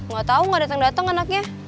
gatau gak dateng dateng anaknya